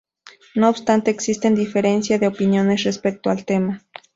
No obstante existe diferencia de opiniones respecto al tema.